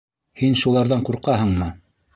Һин шуларҙан ҡурҡаһыңмы?